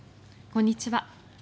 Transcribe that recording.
こんにちは。